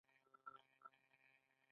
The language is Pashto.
اوم او ولټ په دې برخه کې رول درلود.